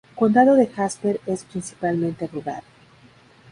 Condado de Jasper es principalmente rural.